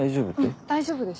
うん大丈夫です。